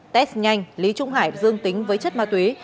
test nhanh lý trung hải dương tính với chất ma túy